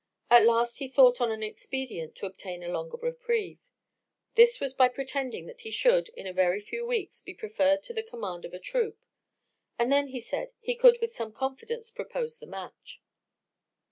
At last he thought on an expedient to obtain a longer reprieve. This was by pretending that he should, in a very few weeks, be preferred to the command of a troop; and then, he said, he could with some confidence propose the match.